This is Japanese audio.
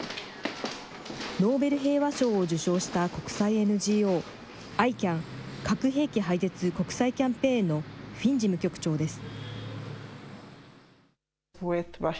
ノーベル平和賞を受賞した国際ＮＧＯ、ＩＣＡＮ・核兵器廃絶国際キャンペーンのフィン事務局長です。